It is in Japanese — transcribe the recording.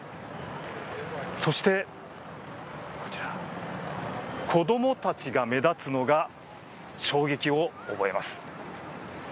そして子どもたちが目立つのが衝撃を覚えます。